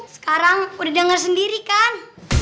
sekarang udah dengar sendiri kan